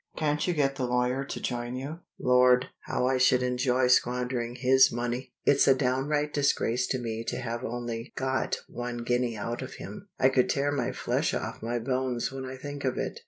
Can't you get the lawyer to join you? Lord! how I should enjoy squandering his money! It's a downright disgrace to me to have only got one guinea out of him. I could tear my flesh off my bones when I think of it."